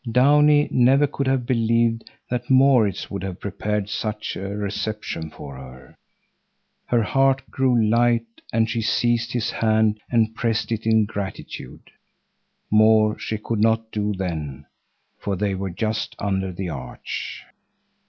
Downie never could have believed that Maurits would have prepared such a reception for her. Her heart grew light, and she seized his hand and pressed it in gratitude. More she could not do then, for they were just under the arch.